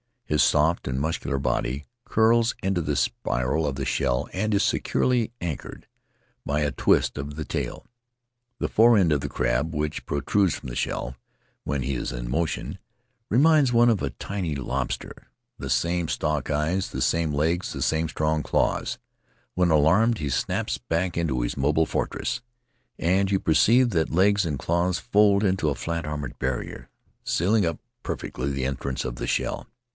His soft and muscular body curls into the spiral of the shell and is securely anchored by a twist of the tail. The fore end of the crab, which protrudes from the shell when he is in motion, reminds Faery Lands of the South Seas one of a tiny lobster; the same stalk eyes, the same legs, the same strong claws. When alarmed he snaps back into his mobile fortress, and you perceive that legs and claws fold into a fiat armored barrier, sealing up perfectly the entrance of the shell.